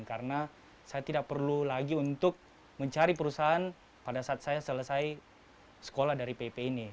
karena saya tidak perlu lagi untuk mencari perusahaan pada saat saya selesai sekolah dari pip ini